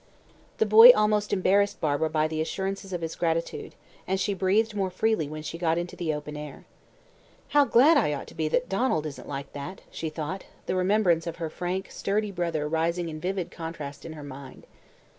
The boy almost embarrassed Barbara by the assurances of his gratitude, and she breathed more freely when she got into the open air. "How glad I ought to be that Donald isn't like that," she thought, the remembrance of her frank, sturdy brother rising in vivid contrast in her mind.